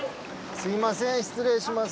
すみません失礼します。